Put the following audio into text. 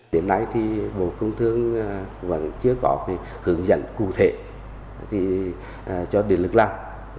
đến nay thì một công thương vẫn chưa có hướng dẫn cụ thể cho điện lực làm